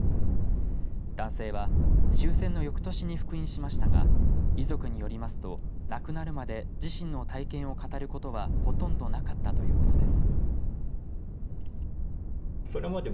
男性は終戦のよくとしに復員しましたが遺族によりますと、亡くなるまで自身の体験を語ることはほとんどなかったということです。